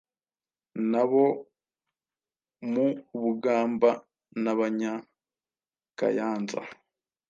Nabo mu Bugamba n’Abanyakayanza